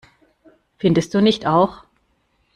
Findest du nicht auch?